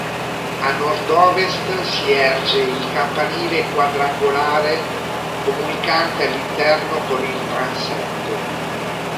A nordovest si erge il campanile quadrangolare comunicante all'interno con il transetto.